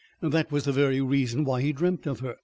That was the very reason why he dreamt of her.